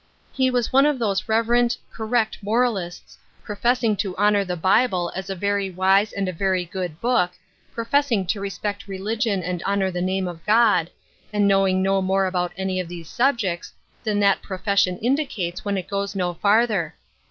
He was one of those reverent, correct moraists, professing to houoi 82 Ruth Erskine'8 Crosses. the Bible as a very wise and a very good book, professing to respect religion and honor tha name of God ; and knowing no more about any of these subjects than that profession indicates when it goes no farther.